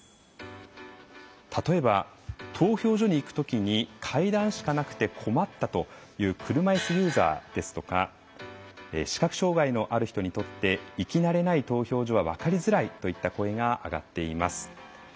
例えば投票所に行くときに階段しかなくて困ったという車いすユーザーですとか視覚障害のある人にとって行き慣れない投票所は分かりづらいといった声が上がっています。